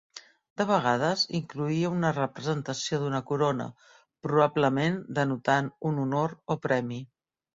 De vegades incloïa una representació d'una corona, probablement denotant un honor o Premi.